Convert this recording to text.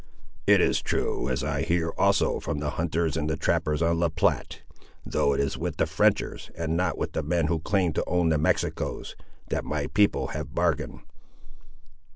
"It is true, as I hear, also, from the hunters and trappers on La Platte. Though it is with the Frenchers, and not with the men who claim to own the Mexicos, that my people have bargained."